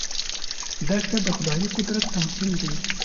دښته د خدايي قدرت تمثیل دی.